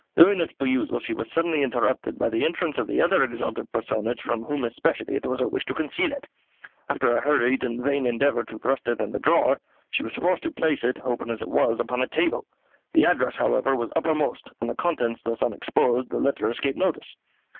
During its perusal she was suddenly interrupted by the entrance of the other exalted personage from whom especially it was her wish to conceal it. After a hurried and vain endeavour to thrust it in a drawer, she was forced to place it, open as it was, upon a table. The address, however, was uppermost, and, the contents thus unexposed, the letter escaped notice.